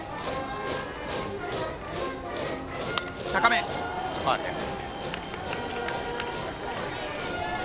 高め、ファウルです。